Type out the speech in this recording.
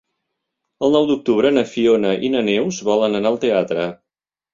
El nou d'octubre na Fiona i na Neus volen anar al teatre.